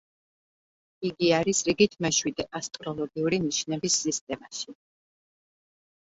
იგი არის რიგით მეშვიდე ასტროლოგიური ნიშნების სისტემაში.